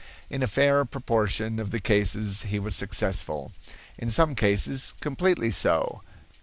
In a fair proportion of the cases he was successful; in some cases completely so.